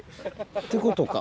ってことか。